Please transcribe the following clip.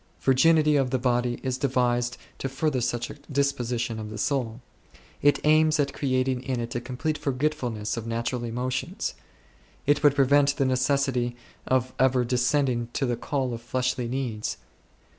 Virginity of the* body is devised to further such a disposition of the soul ; it aims at creating in it a complete forgetfulness of natural emotions ; it would prevent the necessity of ever descending to the call of fleshly needs.